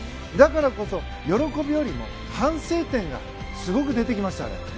だからこそ、喜びよりも反省点がすごく出てきましたね。